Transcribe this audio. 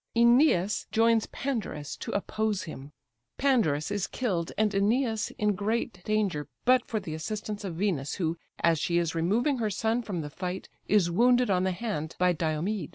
Æneas joins Pandarus to oppose him; Pandarus is killed, and Æneas in great danger but for the assistance of Venus; who, as she is removing her son from the fight, is wounded on the hand by Diomed.